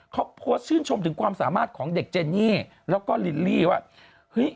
เขาโพสต์ชื่นชมถึงความสามารถของเด็กเจนี่แล้วก็ลิลลี่ว่าเฮ้ย